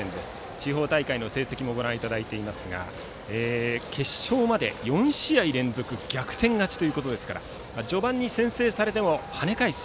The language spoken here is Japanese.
地方大会の成績もご覧いただいていますが決勝まで４試合連続逆転勝ちということで序盤に先制されても跳ね返す。